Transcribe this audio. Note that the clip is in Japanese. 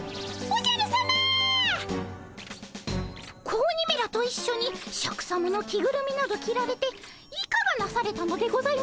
子鬼めらと一緒にシャクさまの着ぐるみなど着られていかがなされたのでございますか？